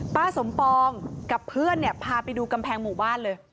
ป้าสมปองกับเพื่อนเนี่ยพาไปดูกำแพงหมู่บ้านเลย